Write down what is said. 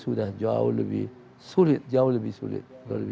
saya kira sudah jauh lebih sulit